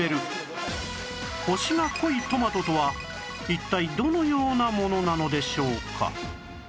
星が濃いトマトとは一体どのようなものなのでしょうか？